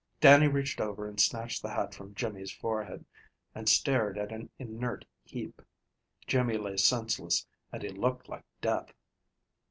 Dannie reached over and snatched the hat from Jimmy's forehead, and stared at an inert heap. Jimmy lay senseless, and he looked like death.